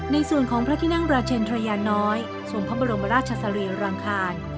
ในส่วนของพระที่นั่งราชินทรยาน้อยทรงพระบรมราชสรีรังคาร